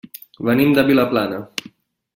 Venim de Vilaplana.